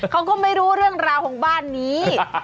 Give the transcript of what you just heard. เขาก็ไม่รู้เรื่องราวของบ้านนี้